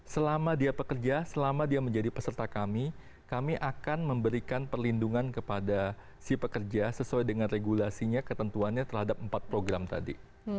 selama dia pekerja selama dia menjadi peserta kami kami akan memberikan perlindungan kepada si pekerja sesuai dengan regulasinya ketentuannya terhadap empat program tadi